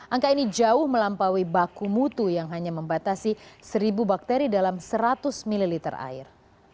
angka ini jauh melampaui baku mutu yang hanya membatasi seribu bakteri dalam seratus ml air